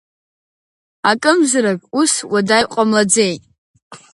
Акымзарак, ус уадаҩ ҟамлаӡеит.